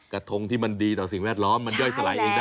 กระทงที่มันดีต่อสิ่งแวดล้อมมันย่อยสลายเองได้